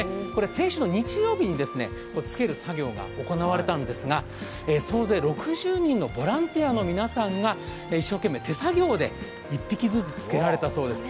先週日曜日につける作業が行われたんですが、総勢６０人のボランティアの皆さんが一生懸命、手作業で１匹ずつつけられたそうです。